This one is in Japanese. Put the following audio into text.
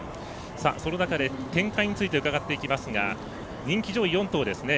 その中で展開について伺っていきますが人気上位４頭ですね